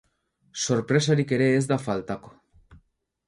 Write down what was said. Sorpresarik ere ez da faltako.